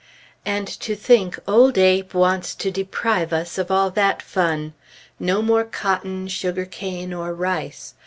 And to think old Abe wants to deprive us of all that fun! No more cotton, sugar cane, or rice!